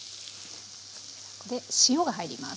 ここで塩が入ります。